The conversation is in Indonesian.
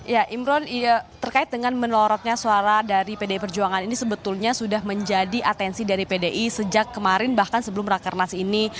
ya imron terkait dengan menorotnya suara dari pdi perjuangan ini sebetulnya sudah menjadi atensi dari pdi sejak kemarin bahkan sebelum rakernas ini